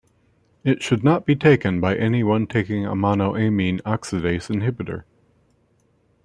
It should not be taken by anyone taking a monoamine oxidase inhibitor.